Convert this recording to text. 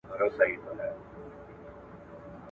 هغه غورځنګونه چي په رنسانس کي پيل سول نړۍ يې بدله کړه.